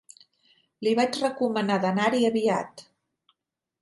Li vaig recomanar d'anar-hi aviat.